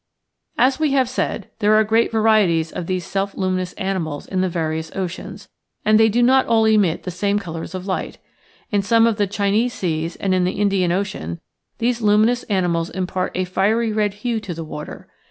As we have said, there are great varieties of these self luminous animals in the various oceans, and they do not all emit the same colors of light. In some of the Chinese seas and in the Indian Ocean these luminous animals impart a fiery red hue to the water.